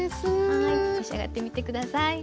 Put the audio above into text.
はい召し上がってみて下さい。